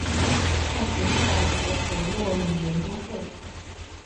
大学时代所属落语研究会。